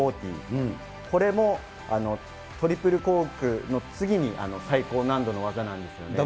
これもトリプルコークの次に最高難度の技なんですよね。